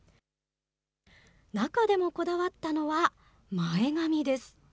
中でもこだわったのは、前髪です。